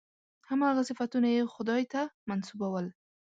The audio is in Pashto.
هماغه صفتونه یې خدای ته منسوبول.